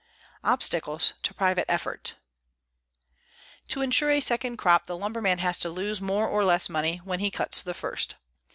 OBSTACLES TO PRIVATE EFFORT To insure a second crop the lumberman has to lose more or less money when he cuts the first.